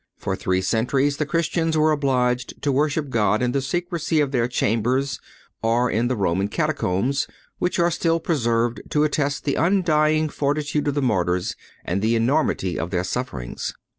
For three centuries the Christians were obliged to worship God in the secrecy of their chambers, or in the Roman catacombs, which are still preserved to attest the undying fortitude of the martyrs and the enormity of their sufferings.